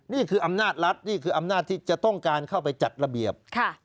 นี่คืออำนาจรัฐนี่คืออำนาจที่จะต้องการเข้าไปจัดระเบียบ